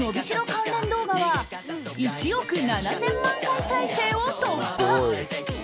関連動画は１億７０００万回再生を突破。